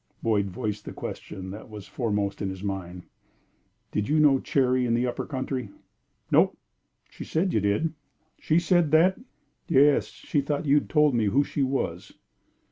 Boyd voiced the question that was foremost in his mind. "Did you know Cherry in the 'upper country'?" "Nope." "She said you did." "She said that?" "Yes. She thought you had told me who she was."